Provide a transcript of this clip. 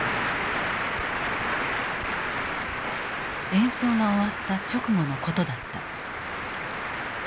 演奏が終わった直後のことだった。